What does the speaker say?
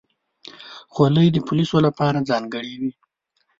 خولۍ د پولیسو لپاره ځانګړې وي.